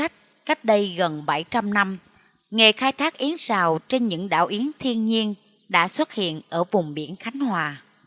hãy đăng ký kênh để ủng hộ kênh của mình nhé